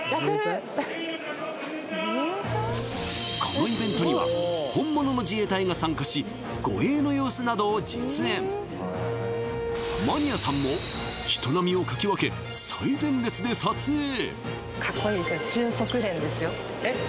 このイベントには本物の自衛隊が参加し護衛の様子などを実演マニアさんもかっこいいですね中即連ですよえっ？